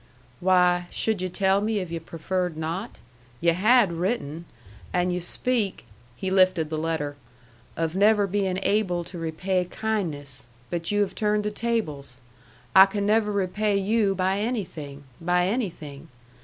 "Why, should yu' tell me if yu' preferred not? You had written. And you speak" (he lifted the letter) "of never being able to repay kindness; but you have turned the tables. I can never repay you by anything! by anything!